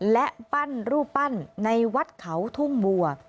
และปั้นรูปปั้นในวัดเขาทุ่งบัว